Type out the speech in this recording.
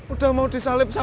udah mau disalip sama